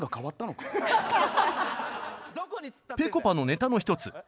ぺこぱのネタの１つ。